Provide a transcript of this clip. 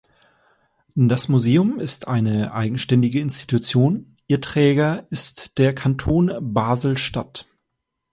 Das Museum ist eine eigenständige Institution, ihr Träger ist der Kanton Basel-Stadt.